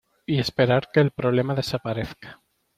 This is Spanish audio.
y esperar que el problema desaparezca.